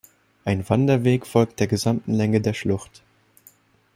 Ein Wanderweg folgt der gesamten Länge der Schlucht.